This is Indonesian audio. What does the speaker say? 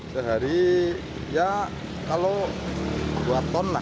sehari ya kalau dua ton lah